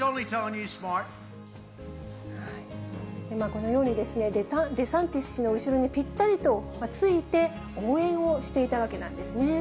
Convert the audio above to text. このように、デサンティス氏の後ろにぴったりとついて、応援をしていたわけなんですね。